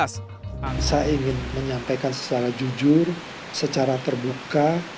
saya ingin menyampaikan secara jujur secara terbuka